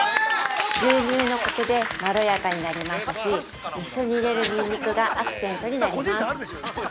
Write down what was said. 牛乳のコクでまろやかになりますし、一緒に入れるニンニクがアクセントになります。